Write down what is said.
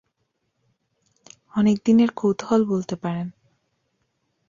অনেকদিনের কৌতুহল বলতে পারেন।